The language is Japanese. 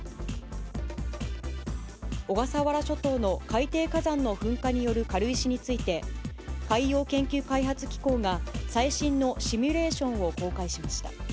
小笠原諸島の海底火山の噴火による軽石について、海洋研究開発機構が最新のシミュレーションを公開しました。